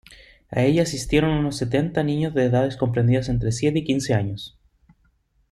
A ella asistieron unos setenta niños de edades comprendidas entre siete y quince años.